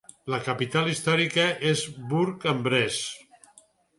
La capital històrica és Bourg-en-Bresse.